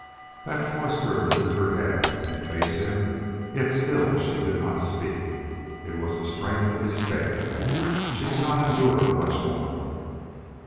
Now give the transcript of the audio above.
That forced her to lift her head and face him, yet still she did not speak. It was the strength of despair. She could not endure much more.